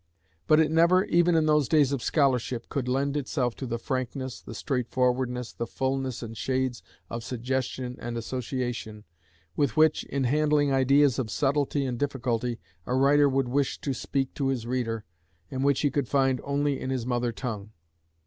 But it never, even in those days of scholarship, could lend itself to the frankness, the straightforwardness, the fulness and shades of suggestion and association, with which, in handling ideas of subtlety and difficulty, a writer would wish to speak to his reader, and which he could find only in his mother tongue.